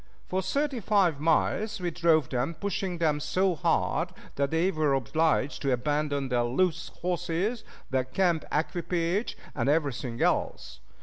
For thirty five miles we drove them, pushing them so hard that they were obliged to abandon their loose horses, their camp equipage, and everything else.